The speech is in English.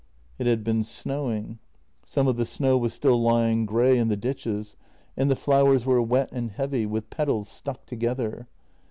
It had been snowing; some of the snow was still lying grey in the ditches, and the flowers were wet and heavy, with petals stuck together.